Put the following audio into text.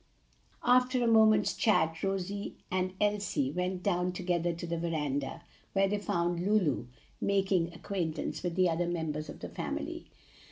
After a moment's chat, Rose and Elsie went down together to the veranda, where they found Lulu, making acquaintance with the other members of the family.